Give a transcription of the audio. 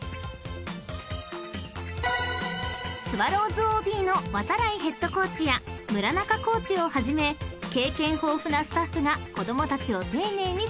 ［スワローズＯＢの度会ヘッドコーチや村中コーチを始め経験豊富なスタッフが子供たちを丁寧に指導］